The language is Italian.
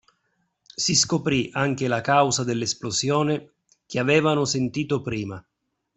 Si scoprì anche la causa dell’esplosione che avevano sentito prima